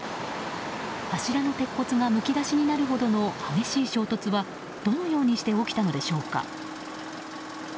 柱の鉄骨がむき出しになるほどの激しい衝突はどのようにして起きたのでしょうか。